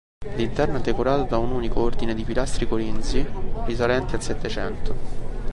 L'interno è decorato da un unico ordine di pilastri corinzi risalenti al settecento.